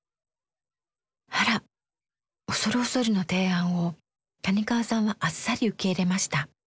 あら恐る恐るの提案を谷川さんはあっさり受け入れました。